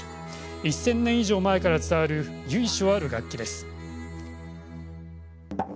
１０００年以上前から伝わる由緒ある楽器です。